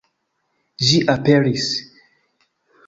Ĝi aperis!